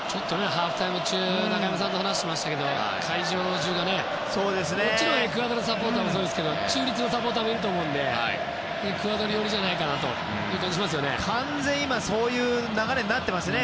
ハーフタイム中中山さんと話してましたけど会場中が、もちろんエクアドルサポーターもそうですけど中立のサポーターもいると思うのでエクアドル寄りじゃないかと思いますね。